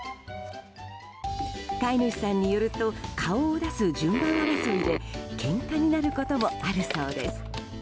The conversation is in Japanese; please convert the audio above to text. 飼い主さんによると顔を出す順番争いでけんかになることもあるそうです。